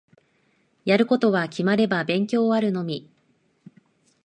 やること決まれば勉強あるのみ。